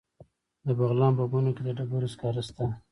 د بغلان په بنو کې د ډبرو سکاره شته.